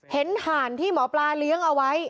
ห่านที่หมอปลาเลี้ยงเอาไว้